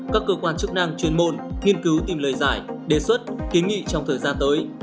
các cơ quan chức năng chuyên môn nghiên cứu tìm lời giải đề xuất kiến nghị trong thời gian tới